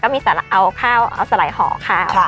มีสารไหล่ห่อขาว